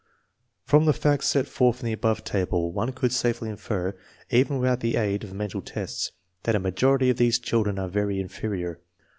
From the facts set forth in the above table one could safely infer, even without the aid of mental tests, that a majority of these children are very inferior.